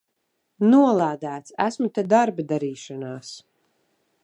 Nolādēts! Esmu te darba darīšanās!